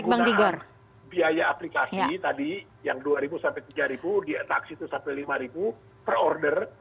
penggunaan biaya aplikasi tadi yang rp dua rp tiga taksi itu rp satu lima ratus per order